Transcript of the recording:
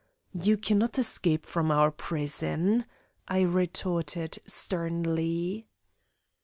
"You can't escape from our prison," I retorted, sternly.